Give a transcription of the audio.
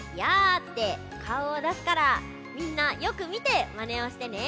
ってかおをだすからみんなよくみてまねをしてね。